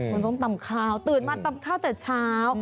มันต้องตำข้าวตื่นมาตำข้าวแต่เช้า